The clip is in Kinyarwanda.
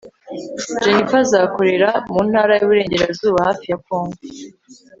jennifer azakorera mu ntara y'uburengerazuba hafi ya kongo